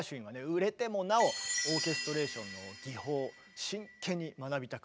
売れてもなおオーケストレーションの技法を真剣に学びたくて今度はね